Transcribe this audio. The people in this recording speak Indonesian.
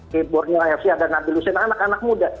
kebornil fc ada nabil hussein anak anak muda